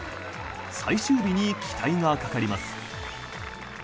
最終日に期待がかかります。